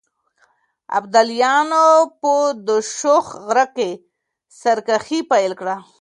ابداليانو په دوشاخ غره کې سرکښي پيل کړه.